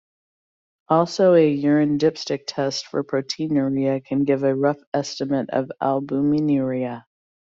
Also a urine dipstick test for proteinuria can give a rough estimate of albuminuria.